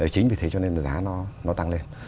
chính vì thế cho nên giá nó tăng lên